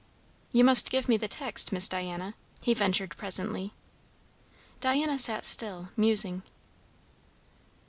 "You must give me the text, Miss Diana," he ventured presently. Diana sat still, musing.